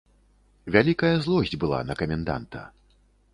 Вялікая злосць была на каменданта.